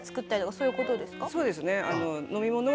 そうですね。